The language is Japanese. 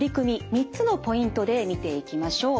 ３つのポイントで見ていきましょう。